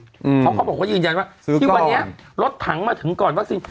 เพราะเขาบอกว่ายืนยันว่าที่วันนี้รถถังมาถึงก่อนวัคซีน